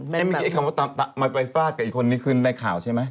ไม่มีคำว่ามาไปฟาดกับอีกคนนี้ขึ้นในข่าวใช่ไหม